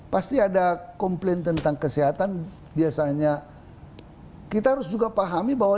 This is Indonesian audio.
pasti ada komplain tentang kesehatan biasanya kita harus juga pahami bahwa